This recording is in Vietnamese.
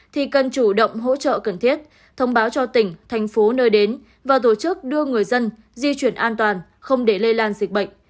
thì cần chủ động hỗ trợ cần thiết thông báo cho tỉnh thành phố nơi đến và tổ chức đưa người dân di chuyển an toàn không để lây lan dịch bệnh